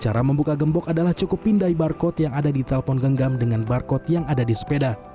cara membuka gembok adalah cukup pindai barcode yang ada di telpon genggam dengan barcode yang ada di sepeda